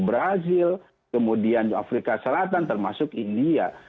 brazil kemudian afrika selatan termasuk india